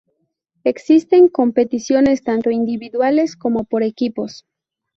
Existen competiciones tanto individuales como por equipos.